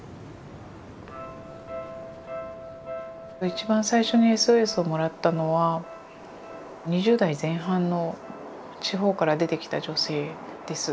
一番最初にＳＯＳをもらったのは２０代前半の地方から出てきた女性です。